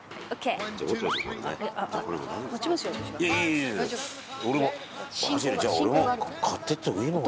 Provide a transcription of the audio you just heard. バジルじゃあ俺も買っていった方がいいのかなあ？